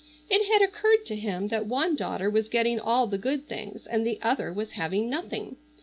It had occurred to him that one daughter was getting all the good things and the other was having nothing.